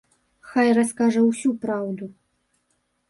Хай раскажа ўсю праўду!